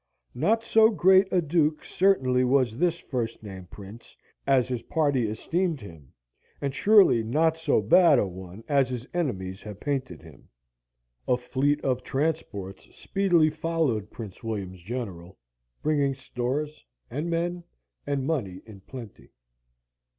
Not so great a Duke certainly was that first named Prince as his party esteemed him, and surely not so bad a one as his enemies have painted him. A fleet of transports speedily followed Prince William's general, bringing stores, and men, and money in plenty.